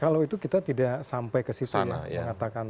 kalau itu kita tidak sampai ke situ lah mengatakan